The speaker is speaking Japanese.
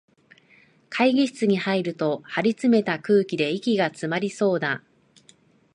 会議室に入ると、張りつめた空気で息がつまりそうだ